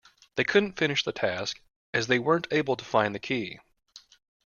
They couldn't finish the task as they weren't able to find the key